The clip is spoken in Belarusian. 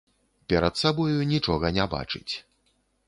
Перад сабою нічога не бачыць.